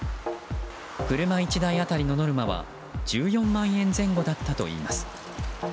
車１台当たりのノルマは１４万円前後だったといいます。